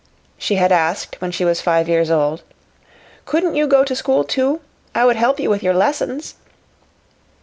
she had asked when she was five years old. "Couldn't you go to school, too? I would help you with your lessons."